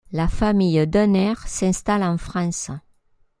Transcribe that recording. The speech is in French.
La famille Denner s'installe en France.